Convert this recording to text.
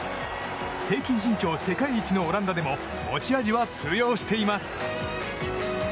平均身長世界一のオランダでも持ち味は通用しています。